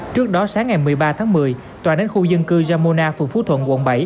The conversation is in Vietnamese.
trước đó sáng ngày một mươi ba tháng một mươi tòa đến khu dân cư jamona phường phú thuận quận bảy